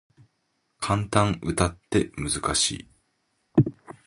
感嘆詞って難しい